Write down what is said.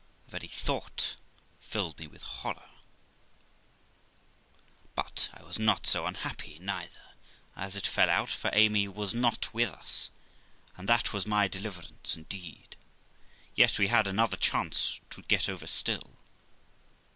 The very thought filled me with horror. But I was not so unhappy neither, as it fell out, for Amy was not with us, and that was my deliverance indeed ; yet we had another chance to get over still.